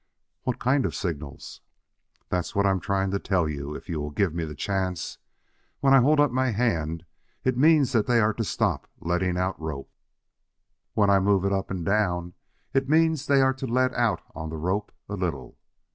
"What kind of signals?" "That's what I'm trying to tell you, if you will give me the chance. When I hold up my hand, it means that they are to stop letting out rope. When I move it up and down, it means they are to let out on the rope a little.